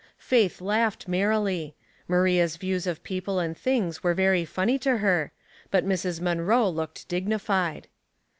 Faith laughed merril}. Maria's views of people and things were very funny to her, but Mrs. Munroe looked dignified.